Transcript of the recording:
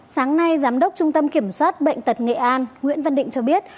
sáng nay giám đốc trung tâm kiểm soát bệnh tật nghệ an nguyễn văn định cho biết